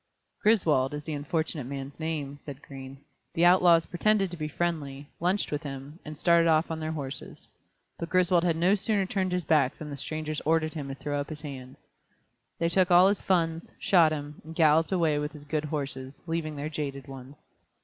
"Griswold is the unfortunate man's name," said Green. "The outlaws pretended to be friendly, lunched with him, and started off on their horses. But Griswold had no sooner turned his back than the strangers ordered him to throw up his hands. They took all his funds, shot him, and galloped away with his good horses, leaving their jaded ones.